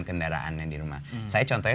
kendaraannya di rumah saya contohnya